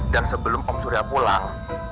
sebelum om surya pulang